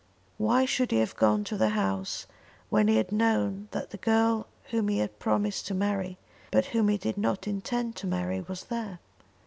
Why should he have gone to the house when he had known that the girl whom he had promised to marry, but whom he did not intend to marry, was there?